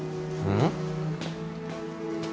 うん？